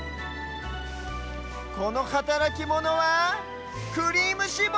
このはたらきモノは「クリームしぼり」！